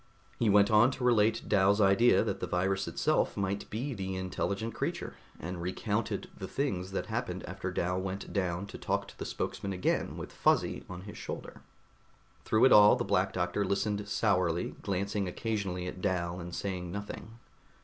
He went on to relate Dal's idea that the virus itself might be the intelligent creature, and recounted the things that happened after Dal went down to talk to the spokesman again with Fuzzy on his shoulder. Through it all the Black Doctor listened sourly, glancing occasionally at Dal and saying nothing.